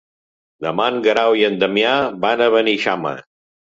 Demà en Guerau i en Damià van a Beneixama.